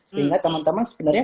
sehingga teman teman sebenarnya